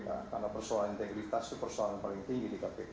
karena persoalan integritas itu persoalan paling tinggi di kpk